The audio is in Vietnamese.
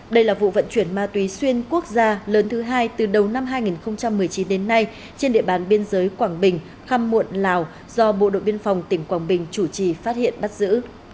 đây là vụ vận chuyển ma túy xuyên quốc gia lớn thứ hai từ đầu năm hai nghìn một mươi chín đến nay trên địa bàn biên giới quảng bình khăm muộn lào do bộ đội biên phòng tỉnh quảng bình chủ trì phát hiện bắt giữ